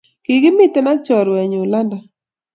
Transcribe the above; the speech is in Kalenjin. Kikimiten ak chorwenyuk London